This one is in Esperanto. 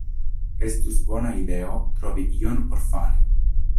Estus bona ideo trovi ion por fari.